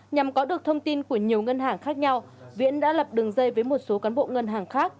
nhằm có được thông tin của nhiều ngân hàng khác nhau viễn đã lập đường dây với một số cán bộ ngân hàng khác